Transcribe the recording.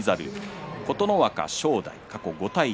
琴ノ若と正代過去は５対１。